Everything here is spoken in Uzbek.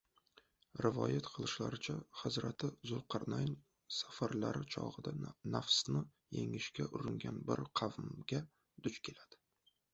Rivoyat qilishlaricha, hazrati Zulqarnayn safarlari chog‘ida nafsni yengishga uringan bir qavmga duch keladi.